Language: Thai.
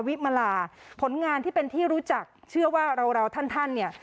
วิมาลาผลงานที่เป็นที่รู้จักเชื่อว่าเราเราท่านท่านเนี่ย